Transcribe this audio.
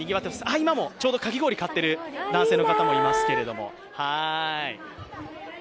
あ、今もちょうどかき氷を買ってる男性の方もいます。